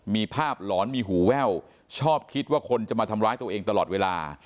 มีภาพหลอนมีหูแว่วชอบคิดว่าคนจะมาทำร้ายตัวเองตลอดเวลา